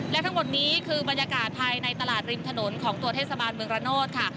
และทั้งหมดนี้คือบรรยากาศภายในตลาดริมถนนของตัวเทศบาลเมืองระโนธค่ะ